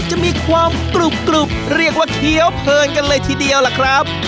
จะมีความกรุบเรียกว่าเคี้ยวเพลินกันเลยทีเดียวล่ะครับ